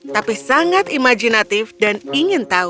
tapi sangat imajinatif dan ingin tahu